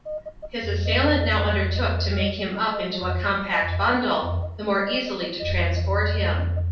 His assailant now undertook to make him up into a compact bundle, the more easily to transport him.